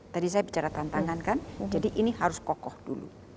tadi saya bicara tantangan kan jadi ini harus kokoh dulu